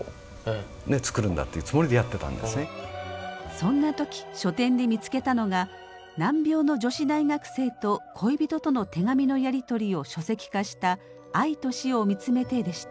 そんな時書店で見つけたのが難病の女子大学生と恋人との手紙のやり取りを書籍化した「愛と死をみつめて」でした。